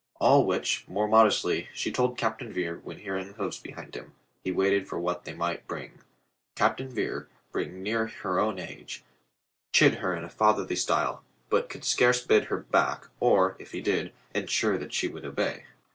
All which, more modestly, she told Captain Vere, when hearing hoofs behind him, he waited for what they might bring. Captain Vere, being near her own age, chid her in fatherly style, but could scarce bid her back, or, if he did, ensure that she would obey.